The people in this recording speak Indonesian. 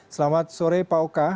selamat sore pak oka